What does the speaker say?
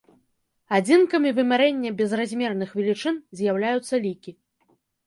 Адзінкамі вымярэння безразмерных велічынь з'яўляюцца лікі.